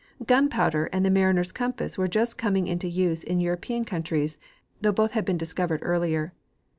. Gunpowder and the mariners' compass were just coming into use in European countries, though both had been discovered earlier.